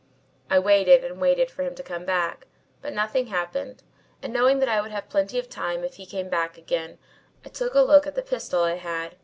I waited and waited for him to come back but nothing happened, and knowing that I would have plenty of time if he came back again, I had a look at the pistol I had.